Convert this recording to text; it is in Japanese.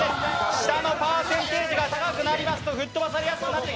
下のパーセンテージが高くなると吹っ飛ばされやすくなる。